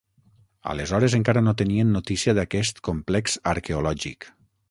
Aleshores encara no tenien notícia d'aquest complex arqueològic.